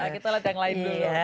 kita lihat yang lain dulu ya